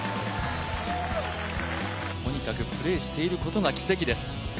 とにかくプレーしていることが奇跡です。